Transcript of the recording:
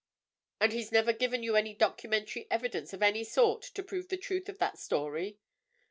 "And he's never given you any documentary evidence of any sort to prove the truth of that story?"